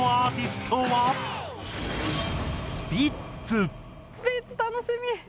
「スピッツ楽しみ！」